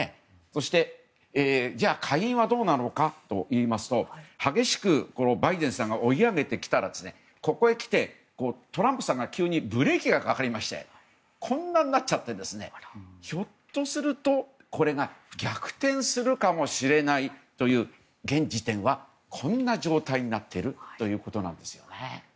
そして下院はどうなのかといいますと激しくバイデンさんが追い上げてきたらここへ来て、トランプさんが急にブレーキがかかりましてひょっとすると、これが逆転するかもしれないという現時点はこんな状態になっているということです。